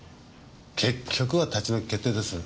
結局は立ち退き決定です。